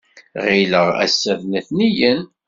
Ɣileɣ ass-a d letniyen.